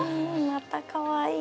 またかわいい。